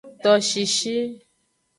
Toshishi.